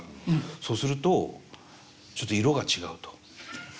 そうするとちょっと色が違うと。